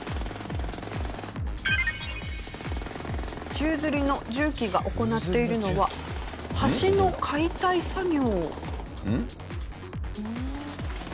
宙吊りの重機が行っているのは橋の解体作業。